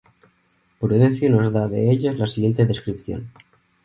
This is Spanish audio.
Prudencio nos da de ellos la siguiente descripción.